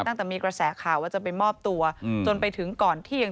ตั้งแต่มีกระแสข่าวว่าจะไปมอบตัวจนไปถึงก่อนเที่ยง